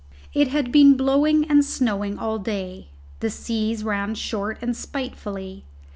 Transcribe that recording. It had been blowing and snowing all day. The seas ran short and spitefully.